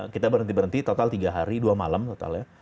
kita berhenti berhenti total tiga hari dua malam totalnya